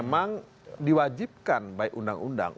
memang diwajibkan baik undang undang